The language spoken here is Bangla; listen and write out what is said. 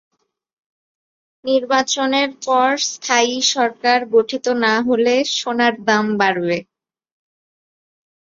নির্বাচনের পর স্থায়ী সরকার গঠিত না হলে সোনার দাম বাড়বে।